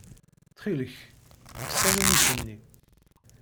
Ttxilek, kkes awennit-nni.